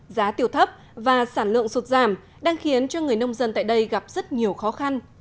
giá tiểu thấp và sản lượng sụt giảm đang khiến cho người nông dân tại đây gặp rất nhiều khó khăn